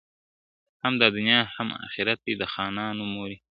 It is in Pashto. هم دا دنیا هم آخرت دی د خانانو موري ,